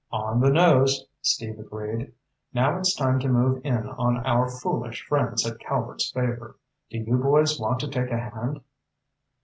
"On the nose," Steve agreed. "Now it's time to move in on our foolish friends at Calvert's Favor. Do you boys want to take a hand?"